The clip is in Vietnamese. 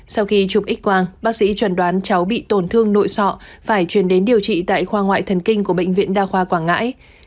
sau khi chụp x quang bác sĩ chuẩn đoán cháu bị tổn thương nội sọ phải truyền đến điều trị tại khoa ngoại thần kinh của bệnh viện đa khoa quảng ngãi